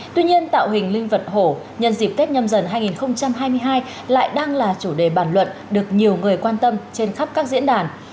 tuy nhiên tạo hình linh vật hổ nhân dịp tết nhâm dần hai nghìn hai mươi hai lại đang là chủ đề bản luận được nhiều người quan tâm trên khắp các diễn đàn